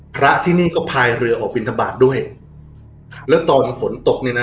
พระที่นี่ก็พายเรือออกบินทบาทด้วยแล้วตอนฝนตกเนี่ยนะ